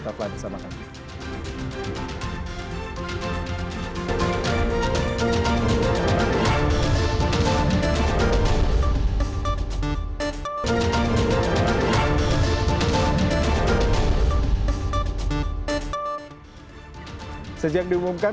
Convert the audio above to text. tau kembali bersama kami